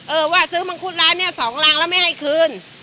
เออว่าซื้อมังคุดร้านนี้๒รังแล้วไม่ให้คืน